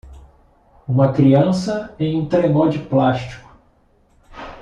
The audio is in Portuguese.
Uma criança em um trenó de plástico.